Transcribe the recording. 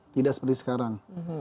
tidak seperti sekarang